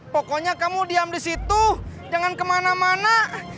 pokoknya kamu diam di situ jangan kemana mana